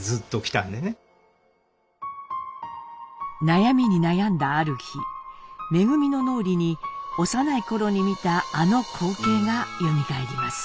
悩みに悩んだある日恩の脳裏に幼い頃に見たあの光景がよみがえります。